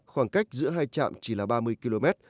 khoảng cách giữa hai trạm chỉ là ba mươi km